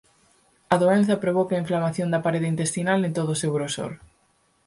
A doenza provoca a inflamación da parede intestinal en todo o seu grosor.